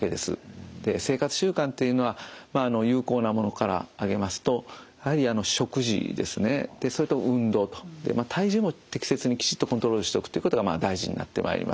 生活習慣というのは有効なものから挙げますと体重も適切にきちっとコントロールしておくということが大事になってまいります。